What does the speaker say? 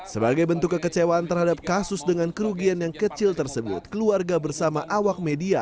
sebagai bentuk kekecewaan terhadap kasus dengan kerugian yang kecil tersebut keluarga bersama awak media